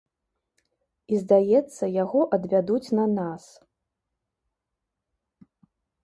І здаецца, яго адвядуць на нас.